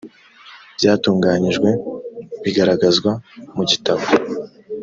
byatunganyijwe bigaragazwa mu gitabo